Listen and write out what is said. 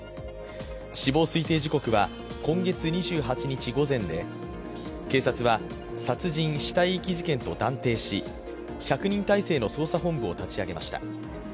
死亡推定時刻は今月２８日午前で、警察は殺人・死体遺棄事件と断定し１００人態勢の捜査本部を立ち上げました。